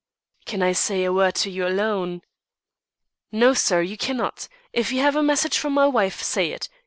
"Can I say a word to you alone?" "No, sir, you cannot. If you have a message from my wife, say it.